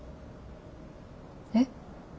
えっ。